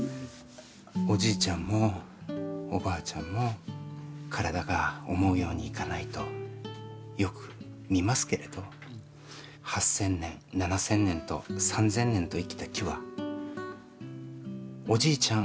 おじいちゃんもおばあちゃんも体が思うようにいかないとよくみますけれど８，０００年７，０００年と３，０００年と生きた木はおじいちゃん